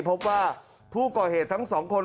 เพราะว่าผู้ก่อเหตุทั้ง๒คน